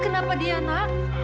kenapa dia nak